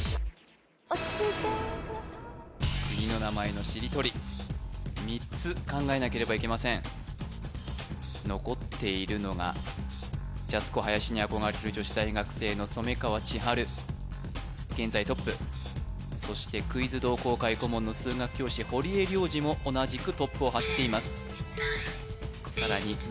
落ち着いてください国の名前のしりとり３つ考えなければいけません残っているのがジャスコ林に憧れる女子大学生の染川千晴現在トップそしてクイズ同好会顧問の数学教師堀江亮次も同じくトップを走っています